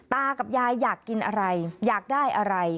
ตากับยายอยากกินอะไรอยากได้อะไร